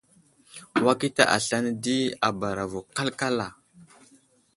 Wakita aslane di a bara vo kalkala.